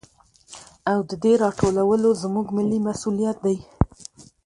او د دې راټولو زموږ ملي مسوليت دى.